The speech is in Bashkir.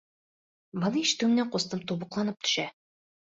Быны ишетеү менән ҡустым тубыҡланып төшә: